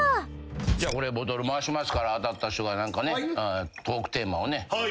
これボトル回しますから当たった人が何かねトークテーマをね。